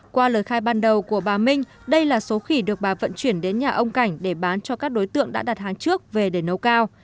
qua lời khai ban đầu của bà minh đây là số khỉ được bà vận chuyển đến nhà ông cảnh để bán cho các đối tượng đã đặt hàng trước về để nấu cao